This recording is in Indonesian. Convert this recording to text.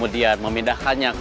tadi terlalu banyak